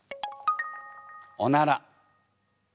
「おなら」。